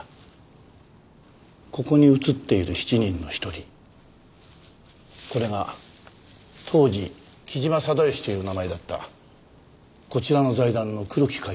ここに写っている７人の一人これが当時木島定良という名前だったこちらの財団の黒木会長です。